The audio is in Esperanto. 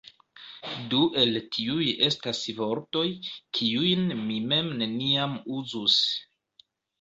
Du el tiuj estas vortoj, kiujn mi mem neniam uzus.